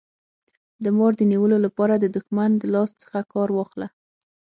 د مار د نیولو لپاره د دښمن د لاس څخه کار واخله.